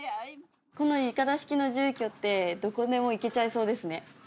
このいかだ式の住居ってどこでも行けちゃいそうですね